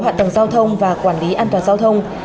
hoạt động giao thông và quản lý an toàn giao thông